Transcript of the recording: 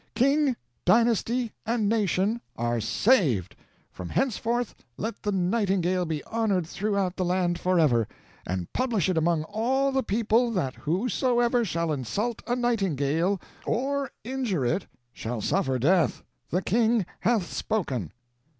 King, dynasty, and nation are saved. From henceforth let the nightingale be honored throughout the land forever. And publish it among all the people that whosoever shall insult a nightingale, or injure it, shall suffer death. The king hath spoken."